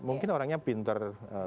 mungkin orangnya pinter